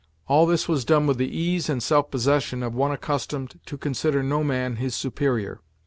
All this was done with the ease and self possession of one accustomed to consider no man his superior.